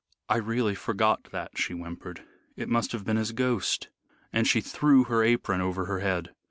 "I really forgot that," she whimpered. "It must have been his ghost," and she threw her apron over her head.